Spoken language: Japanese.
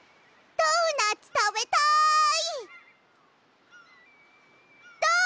ドーナツたべたい！